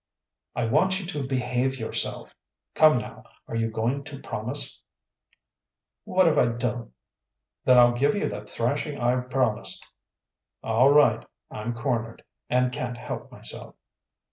"I want you to behave yourself. Come, now, are you going to promise?" "What if I don't?" "Then I'll give you the thrashing I promised." "All right, I'm cornered, and can't help myself."